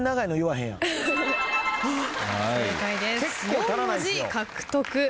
４文字獲得。